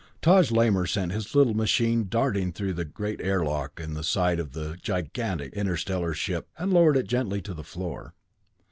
Taj Lamor sent his little machine darting through the great airlock in the side of the gigantic interstellar ship and lowered it gently to the floor.